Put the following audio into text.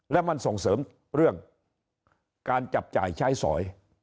และมันส่งเสริมเรื่องการจับจ่ายใช้สอย